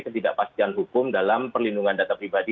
ketidakpastian hukum dalam perlindungan data pribadi